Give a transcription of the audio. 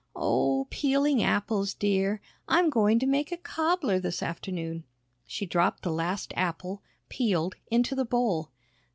"Oh, peeling apples, dear. I'm going to make a cobbler this afternoon." She dropped the last apple, peeled, into the bowl.